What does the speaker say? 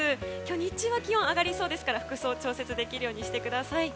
日中は気温が上がりそうですから服装は調節できるようにしてください。